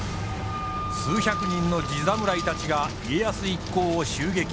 数百人の地侍たちが家康一行を襲撃。